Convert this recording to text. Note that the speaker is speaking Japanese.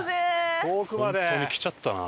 本当に来ちゃったな。